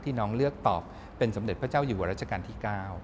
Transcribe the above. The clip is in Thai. น้องเลือกตอบเป็นสมเด็จพระเจ้าอยู่หัวรัชกาลที่๙